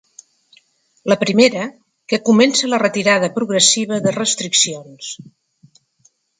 La primera, que comença la retirada progressiva de restriccions.